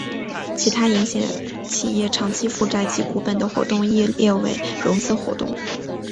其他影响企业长期负债及股本的活动亦列为融资活动。